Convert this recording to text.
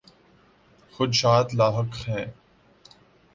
خدشات لاحق ہیں۔